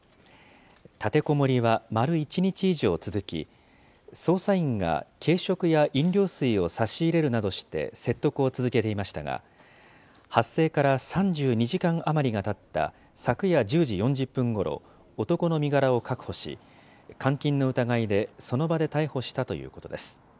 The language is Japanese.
立てこもりは丸１日以上続き、捜査員が軽食や飲料水を差し入れるなどして、説得を続けていましたが、発生から３２時間余りがたった昨夜１０時４０分ごろ、男の身柄を確保し、監禁の疑いで、その場で逮捕したということです。